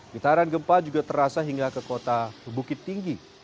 getaran gempa juga terasa hingga ke kota bukit tinggi